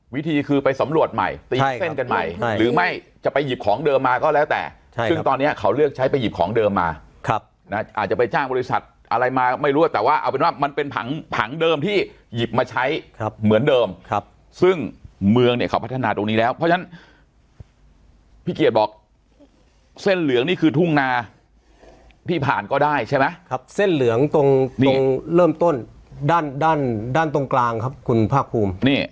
วิธีคือไปสำรวจใหม่ตี๊กเส้นกันใหม่หรือไม่จะไปหยิบของเดิมมาก็แล้วแต่ซึ่งตอนเนี้ยเขาเลือกใช้ไปหยิบของเดิมมาครับน่ะอาจจะไปจ้างบริษัทอะไรมาไม่รู้ว่าแต่ว่าเอาเป็นว่ามันเป็นผังผังเดิมที่หยิบมาใช้ครับเหมือนเดิมครับซึ่งเมืองเนี้ยเขาพัฒนาตรงนี้แล้วเพราะฉะนั้นพี่เกียจบอกเส้นเหลืองนี่คือ